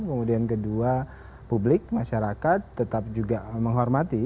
kemudian kedua publik masyarakat tetap juga menghormati